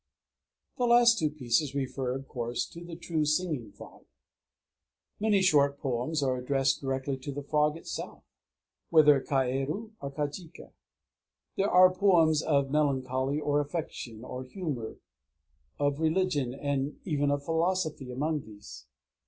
_ The last two pieces refer, of course, to the true singing frog. Many short poems are addressed directly to the frog itself, whether kaeru or kajika. There are poems of melancholy, of affection, of humor, of religion, and even of philosophy among these.